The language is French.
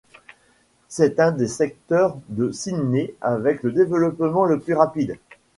C'est un des secteurs de Sydney avec le développement le plus rapide.